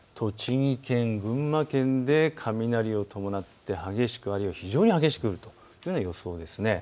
栃木県、群馬県で雷を伴って非常に激しく降るというような予想ですね。